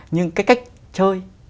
nhưng cái cách chơi